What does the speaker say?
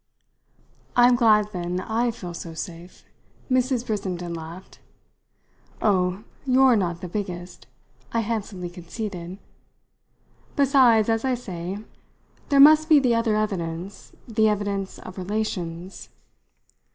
"I'm glad then I feel so safe!" Mrs. Brissenden laughed. "Oh, you're not the biggest!" I handsomely conceded. "Besides, as I say, there must be the other evidence the evidence of relations."